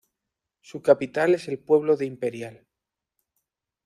Su capital es el pueblo de Imperial.